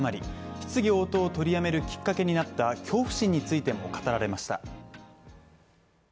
質疑応答を取りやめるきっかけになった恐怖心についても語られました。